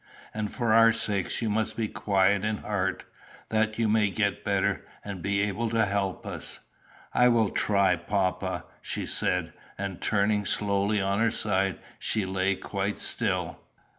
And for our sakes you must be quiet in heart, that you may get better, and be able to help us." "I will try, papa," she said; and, turning slowly on her side, she lay quite still.